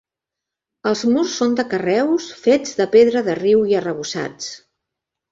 Els murs són de carreus fets de pedra de riu i arrebossats.